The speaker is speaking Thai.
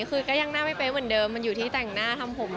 คือก็ยังหน้าไม่เป๊ะเหมือนเดิมมันอยู่ที่แต่งหน้าทำผม